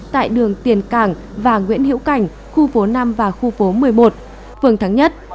tại đường tiền cảng và nguyễn hiễu cảnh khu phố năm và khu phố một mươi một phường thắng nhất